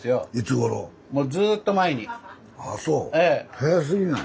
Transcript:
早すぎない？